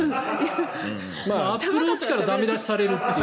アップルウォッチから駄目出しされるという。